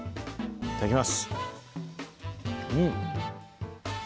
いただきます。